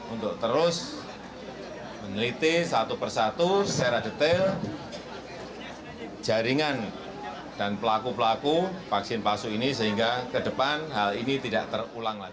untuk terus meneliti satu persatu secara detail jaringan dan pelaku pelaku vaksin palsu ini sehingga ke depan hal ini tidak terulang lagi